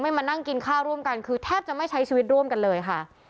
มานั่งกินข้าวร่วมกันคือแทบจะไม่ใช้ชีวิตร่วมกันเลยค่ะ